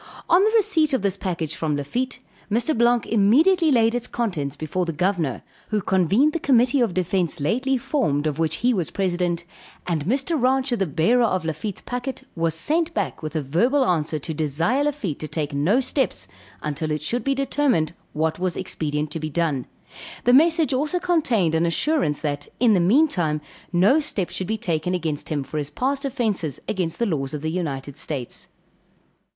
On the receipt of this packet from Lafitte, Mr. Blanque immediately laid its contents before the governor, who convened the committee of defence lately formed of which he was president; and Mr. Rancher the bearer of Lafitte's packet, was sent back with a verbal answer to desire Lafitte to take no steps until it should be determined what was expedient to be done; the message also contained an assurance that, in the meantime no steps should be taken against him for his past offences against the laws of the United States.